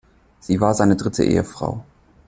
Sie war seine dritte Ehefrau.